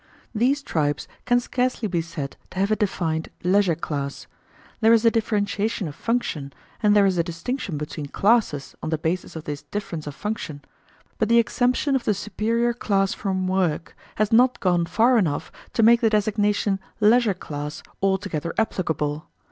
These tribes can scarcely be said to have a defined leisure class. There is a differentiation of function, and there is a distinction between classes on the basis of this difference of function, but the exemption of the superior class from work has not gone far enough to make the designation "leisure class" altogether applicable.